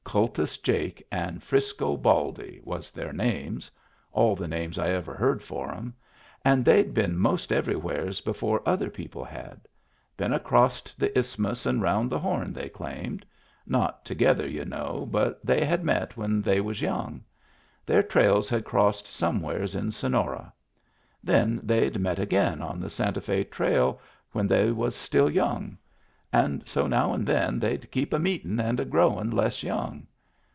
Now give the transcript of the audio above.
Kultus Jake and Frisco Baldy was their names — all the names I ever heard for 'em — and they'd been most every wheres before other people had. Been acrost the Isthmus and round the Horn, they claimed — not together, y'u know, but they had met when they was young. Their trails had crossed somewheres in Sonora. Then they'd met again on the Santa F^ trail, when they was still young. And so now and then they'd kep' a meetin' and a growin' less young.